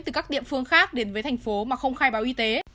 từ các địa phương khác đến với thành phố mà không khai báo y tế